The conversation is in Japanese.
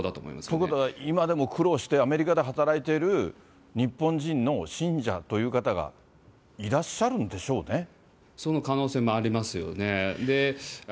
ということは、今でも苦労してアメリカで働いている日本人の信者という方がいらその可能性もありますよね。